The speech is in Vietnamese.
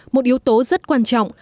một yếu tố rất quan trọng